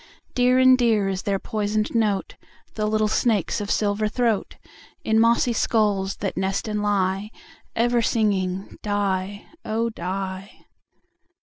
Dear and dear is their poisoned note, The little snakes' of silver throat, In mossy skulls that nest and lie, Ever singing "die, oh! die."